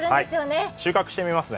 はい、収穫してみますね。